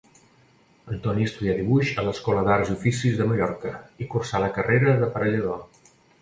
Antoni estudià dibuix a l'Escola d'Arts i Oficis de Mallorca, i cursà la carrera d'aparellador.